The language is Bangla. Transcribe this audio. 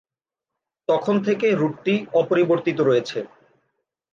তখন থেকে রুটটি অপরিবর্তিত রয়েছে।